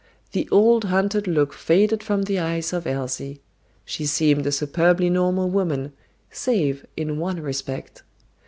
The old hunted look faded from the eyes of Elsie. She seemed a superbly normal woman, save in one respect.